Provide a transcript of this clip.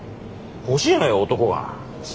欲しいのよ男が。